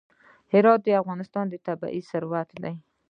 هرات د افغانستان طبعي ثروت دی.